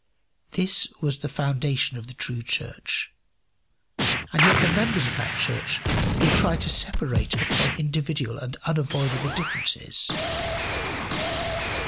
This was the foundation of the true church. And yet the members of that church will try to separate upon individual and unavoidable differences!